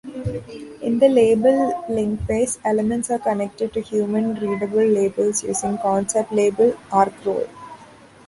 In the label linkbase, elements are connected to human readable labels using "concept-label" arcrole.